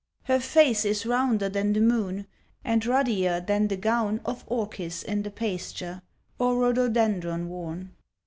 Her face is rounder than the moon, And ruddier than the gown Of orchis in the pasture, Or rhododendron worn.